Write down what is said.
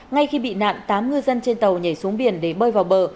ngay khi bị nạn tám ngư dân trên tàu nhảy xuống biển để bơi vào bờ